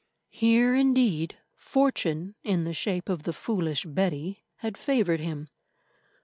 Here, indeed, Fortune, in the shape of the foolish Betty, had favoured him.